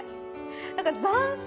何か斬新。